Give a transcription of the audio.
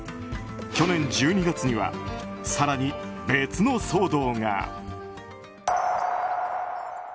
去年１２月には更に別の騒動が。